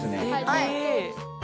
はい。